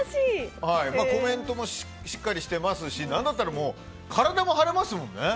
コメントもしっかりしてますし何だったら体も張れますもんね。